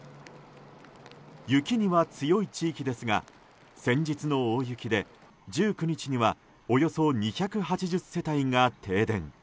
雪には強い地域ですが先日の大雪で１９日にはおよそ２８０世帯が停電。